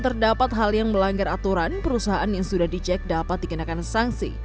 terdapat hal yang melanggar aturan perusahaan yang sudah dicek dapat dikenakan sanksi